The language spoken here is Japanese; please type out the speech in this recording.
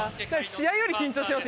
試合より緊張してます